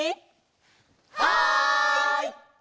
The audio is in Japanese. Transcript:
はい！